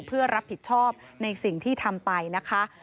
เพื่อรับผิดชอบในสิ่งที่ทำไปนะคะ